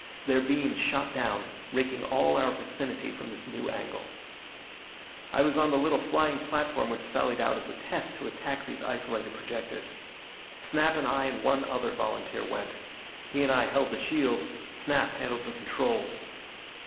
Their beams shot down, raking all our vicinity from this new angle. I was on the little flying platform which sallied out as a test to attack these isolated projectors. Snap and I and one other volunteer went. He and I held the shield; Snap handled the controls.